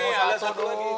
nih ada satu lagi